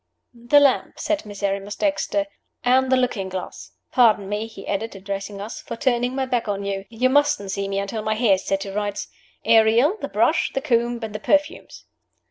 "The lamp," said Miserrimus Dexter, "and the looking glass. Pardon me," he added, addressing us, "for turning my back on you. You mustn't see me until my hair is set to rights. Ariel! the brush, the comb, and the perfumes!"